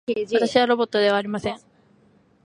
私はロボットではありません。